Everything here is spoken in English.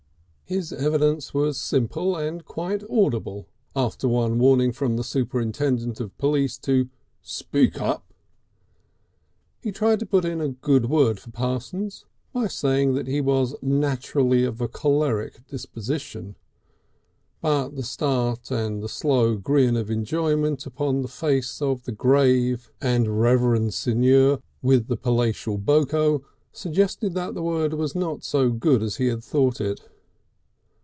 His evidence was simple and quite audible after one warning from the superintendent of police to "speak up." He tried to put in a good word for Parsons by saying he was "naturally of a choleraic disposition," but the start and the slow grin of enjoyment upon the face of the grave and Reverend Signor with the palatial Boko suggested that the word was not so good as he had thought it.